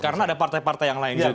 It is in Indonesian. karena ada partai partai yang lain juga